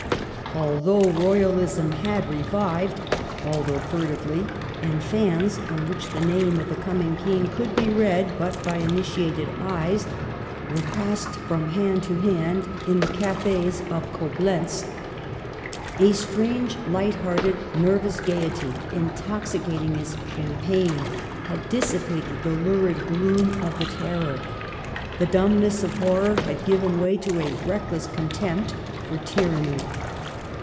Already royalism had revived, although furtively, and fans on which the name of the coming King could be read but by initiated eyes, were passed (78) Digitized by VjOOQLC THE TRANSFORMED CAPITAL. 79 from hand to hand in the cafes of " Coblentz." A strange light hearted nervous gayety — intoxi cating as champagne — had dissipated the lurid gloom of the Terror ; the dumbness of horror had given way to a reckless contempt for tyranny.